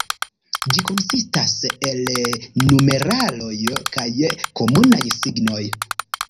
Ĝi konsistas el numeraloj kaj komunaj signoj.